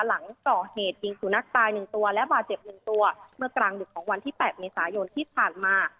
หลังก่อเหตุยิงสุนัขตายหนึ่งตัวและบาดเจ็บหนึ่งตัวเมื่อกลางดึกของวันที่๘เมษายนที่ผ่านมา